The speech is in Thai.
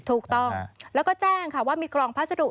ถูกต้องแล้วก็แจ้งค่ะว่ามีกล่องพัสดุ